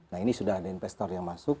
nah ini sudah ada investor yang masuk